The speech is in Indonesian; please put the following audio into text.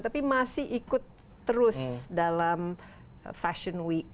tapi masih ikut terus dalam fashion week